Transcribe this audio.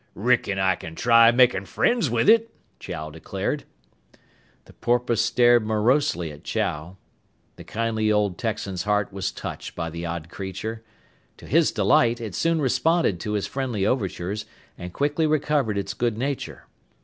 "Reckon I kin try makin' friends with it," Chow declared. The porpoise stared morosely at Chow. The kindly old Texan's heart was touched by the odd creature. To his delight, it soon responded to his friendly overtures and quickly recovered its good nature.